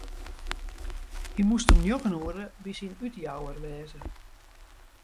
Hy moast om njoggen oere by syn útjouwer wêze.